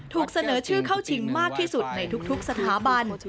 ถูกเสนอชื่อเข้าชิงมากที่สุดในทุกสถาบัน